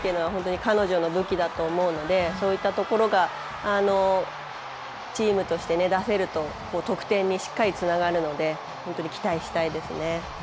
彼女の武器だと思うのでそういったところがチームとして出せると得点にしっかりつながるので期待したいですね。